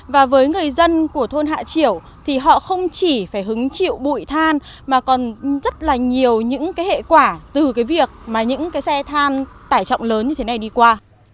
và với người dân của thôn hạ triểu thì họ không chỉ phải hứng chịu bụi than mà còn rất là nhiều những cái hệ quả từ cái việc mà những cái xe than tải trọng lớn như thế này đi qua